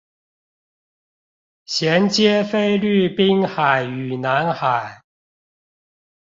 銜接菲律賓海與南海